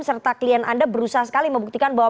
serta klien anda berusaha sekali membuktikan bahwa